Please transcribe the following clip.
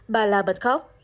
bà là bật khóc